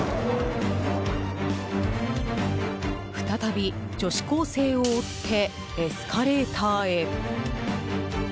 再び女子高生を追ってエスカレーターへ。